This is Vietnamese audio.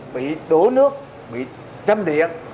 bị đổ nước bị châm điện